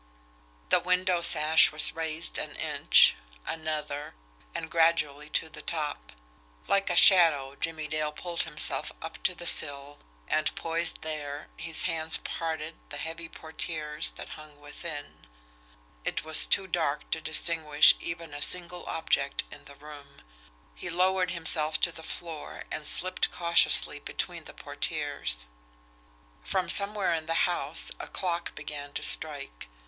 The window sash was raised an inch, another, and gradually to the top. Like a shadow, Jimmie Dale pulled himself up to the sill, and, poised there, his hand parted the heavy portieres that hung within. It was too dark to distinguish even a single object in the room. He lowered himself to the floor, and slipped cautiously between the portieres. From somewhere in the house, a clock began to strike.